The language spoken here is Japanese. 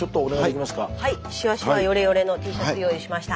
しわしわよれよれのＴシャツ用意しました。